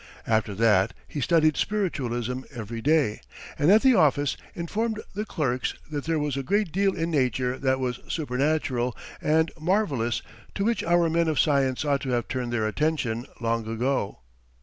After that he studied spiritualism every day, and at the office, informed the clerks that there was a great deal in nature that was supernatural and marvellous to which our men of science ought to have turned their attention long ago.